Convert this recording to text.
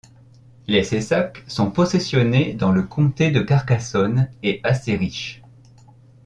Les Saissac sont possessionés dans le comté de Carcassonne et assez riches.